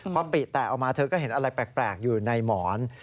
พอปิแตกออกมาเธอก็เห็นอะไรแปลกอยู่ในหมอน